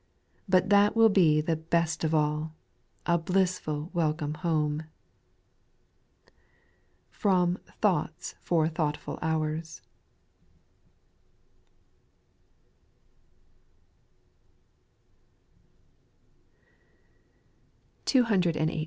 But that will be the best of all, — a blissful welcome home. FROM THOUGHTS FOR THOUGHTFUL HOURS. 810 SPIRITUAL SONGS.